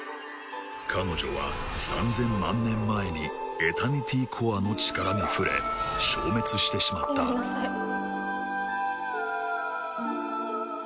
彼女は３，０００万年前にエタニティコアの力に触れ消滅してしまったごめんなさい。